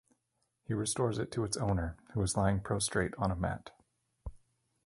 He restores it to its owner, who is lying prostrate on a mat.